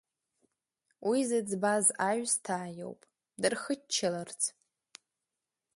Уи зыӡбаз Аҩсҭаа иоуп дырхыччаларц…